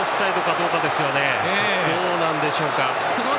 どうなんでしょうか。